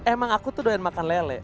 emang aku tuh doyan makan lele